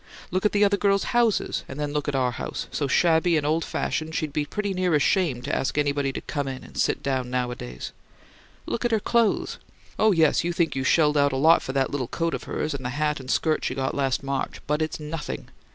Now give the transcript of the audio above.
Look at the other girls' houses, and then look at our house, so shabby and old fashioned she'd be pretty near ashamed to ask anybody to come in and sit down nowadays! Look at her clothes oh, yes; you think you shelled out a lot for that little coat of hers and the hat and skirt she got last March; but it's nothing.